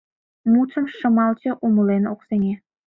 Мутшым Шымалче умылен ок сеҥе.